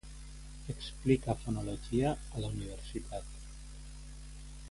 Explica fonologia a la universitat.